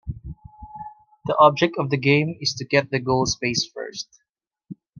The object of the game is to get to the goal space first.